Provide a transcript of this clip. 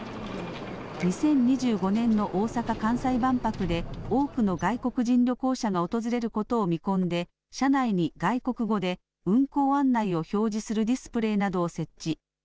２０２５年の大阪・関西万博で多くの外国人旅行者が訪れることを見込んで車内に外国語で運行案内を表示するディスプレーなどを設置。